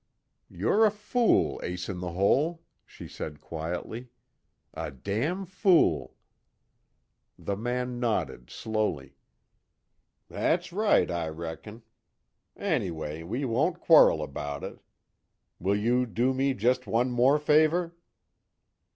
"You're a fool, Ace In The Hole," she said, quietly, "A damn fool." The man nodded, slowly: "That's right, I reckon. Anyway we won't quarrel about it. Will you do me just one more favor?"